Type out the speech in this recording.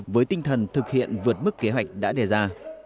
với tinh thần thực hiện vượt mức kế hoạch đã đề ra